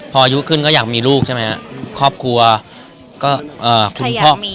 ก็เข้ากันไม่ดีก็รอมรึเปล่า